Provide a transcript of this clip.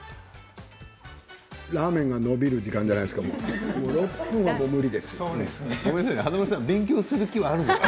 ラーメンがのびる時間じゃないですか？